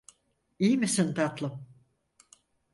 İyi misin tatlım?